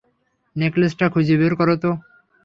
নেকলেসটা খুঁজে বের করো তো।